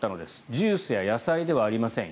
ジュースや野菜ではありません。